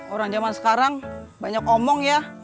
orang zaman sekarang banyak omong ya